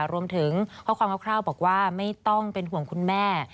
รวมถึงข้อความคร่าวบอกว่าไม่ต้องเป็นห่วงคุณแม่